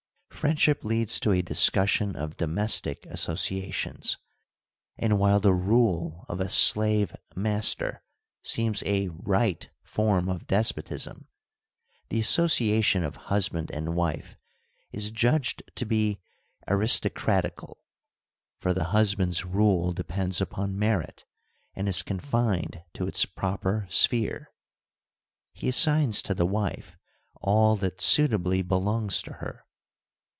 '* Friendship leads to a discussion of domestic associa tions, and while the rule of a slave master seems a right form of despotism, the association of husband and wife is judged to be ' aristocratical,* for the husband's rule depends upon merit and is confined to its proper sphere. He assigns to the wife all that suitably belongs to her.